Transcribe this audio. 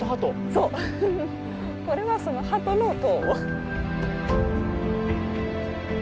そうこれはその鳩の塔。